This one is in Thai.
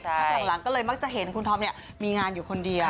พักหลังก็เลยมักจะเห็นคุณธอมมีงานอยู่คนเดียว